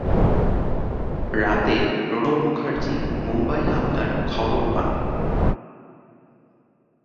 রাতে প্রণব মুখার্জী মুম্বাই হামলার খবর পান।